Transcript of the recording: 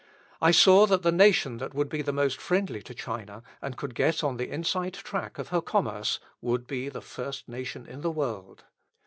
I saw that the nation that would be the most friendly to China, and could get on the inside track of her commerce, would be the first nation of the world.